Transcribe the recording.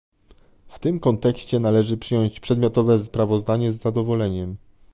W tym kontekście należy przyjąć przedmiotowe sprawozdanie z zadowoleniem